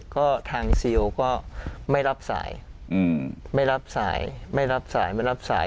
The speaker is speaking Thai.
ก็ทางซิลก็ไม่รับสายไม่รับสายไม่รับสายไม่รับสาย